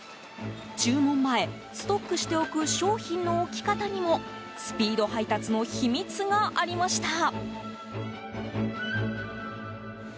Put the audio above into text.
注文前、ストックしておく商品の置き方にもスピード配達の秘密がありました。